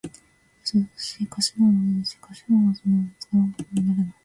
よそよそしい頭文字かしらもじなどはとても使う気にならない。